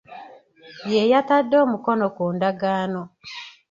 Ye yatade omukono ku ndagaano